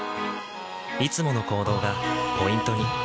いつもの行動がポイントに。